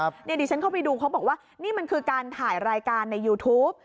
เดี๋ยวฉันเข้าไปดูเขาบอกว่านี่มันคือการถ่ายรายการในยูทูป